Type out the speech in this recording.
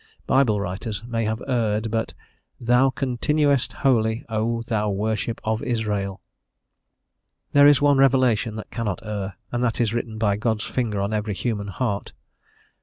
Bible writers may have erred, but "Thou continuest holy, O Thou worship of Israel!" There is one revelation that cannot err, and that is written by God's finger on every human heart.